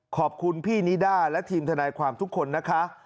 ขอบคุณพี่นิด้าและทีมทนายความทุกคนนะคะ